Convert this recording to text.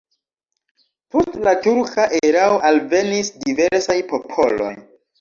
Post la turka erao alvenis diversaj popoloj.